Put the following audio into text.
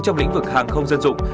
trong lĩnh vực hàng không dân dụng